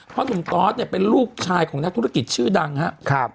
เพราะหนุ่มตอสเนี่ยเป็นลูกชายของนักธุรกิจชื่อดังครับ